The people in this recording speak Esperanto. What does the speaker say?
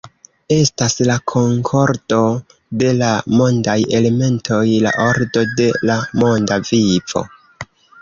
Estas la konkordo de la mondaj elementoj, la ordo de la monda vivo.